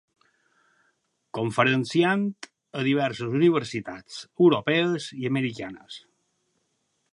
Conferenciant a diverses universitats europees i americanes.